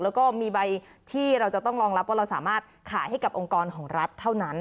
แล้วก็มีใบที่เราจะต้องรองรับว่าเราสามารถขายให้กับองค์กรของรัฐเท่านั้น